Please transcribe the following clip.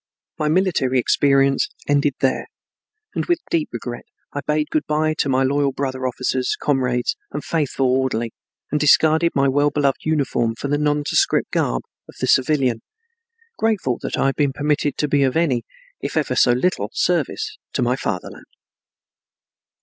My military experience ended there, and with deep regret I bade good bye to my loyal brother officers, comrades, and faithful orderly, and discarded my well beloved uniform for the nondescript garb of the civilian, grateful that I had been permitted to be of any, if ever so little, service to my Fatherland.